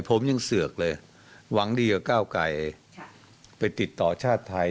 ผมยังเสือกเลยหวังดีกับก้าวไกลไปติดต่อชาติไทย